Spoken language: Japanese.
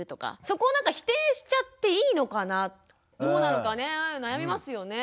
そこをなんか否定しちゃっていいのかなどうなのかね悩みますよね。